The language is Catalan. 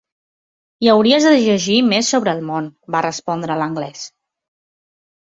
"I hauries de llegir més sobre el món" va respondre l'anglès.